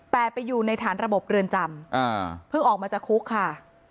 แต่ไปอยู่ในฐานระบบเรือนจำเพิ่งออกมาจากคุกค่ะ